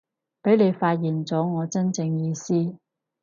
畀你發現咗我真正意思